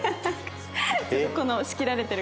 この仕切られてる。